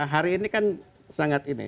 hari ini kan sangat ini